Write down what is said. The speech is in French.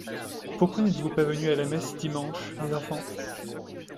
Pourquoi n’êtes-vous pas venus à la messe dimanche, mes enfants?